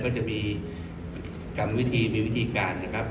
ก็จะมีกรรมวิธีมีวิธีการนะครับ